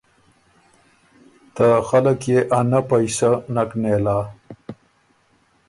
ته خلق يې انۀ پئسۀ نک نېل هۀ۔